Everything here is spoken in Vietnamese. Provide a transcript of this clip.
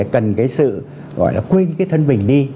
cần cái sự gọi là quên cái thân mình đi